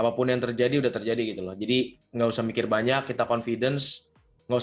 main yang seperti biasa kita senang